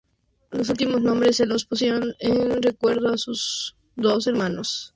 Los últimos nombres se los pusieron en recuerdo de sus dos hermanos fallecidos.